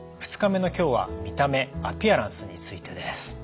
２日目の今日は見た目アピアランスについてです。